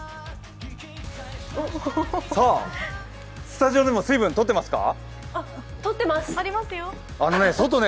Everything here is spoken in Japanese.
スタジオでも水分とってますか。